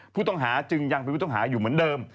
ผู้ต้องหาจึงยังเป็นผู้ต้องหาอยู่เหมือนเดิม